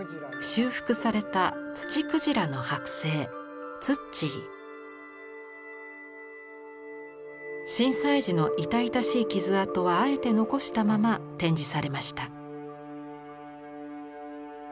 修復された震災時の痛々しい傷痕はあえて残したまま展示されました。